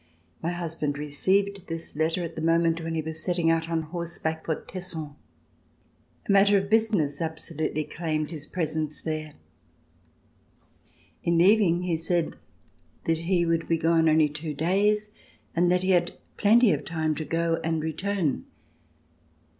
My husband received this letter at the mo ment when he was setting out on horseback for Tesson. A matter of business absolutely claimed his presence there. In leaving he said that he would be gone only two days and that he had plenty of time to go and return.